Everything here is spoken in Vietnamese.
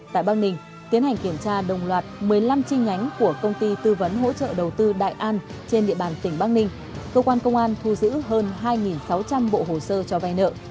tại bắc ninh tiến hành kiểm tra đồng loạt một mươi năm chi nhánh của công ty tư vấn hỗ trợ đầu tư đại an trên địa bàn tỉnh bắc ninh cơ quan công an thu giữ hơn hai sáu trăm linh bộ hồ sơ cho vay nợ